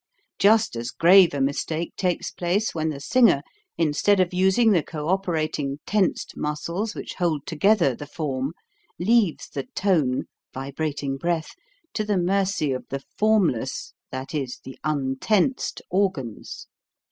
Just as grave a mistake takes place when the singer, instead of using the cooperating tensed muscles which hold together the form, leaves the tone (vibrating breath) to the mercy of the formless, that is, the untensed organs.